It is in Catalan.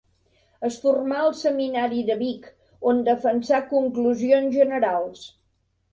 Es formà al seminari de Vic, on defensà conclusions generals.